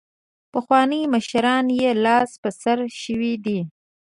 پخواني مشران یې لاس په سر شوي دي.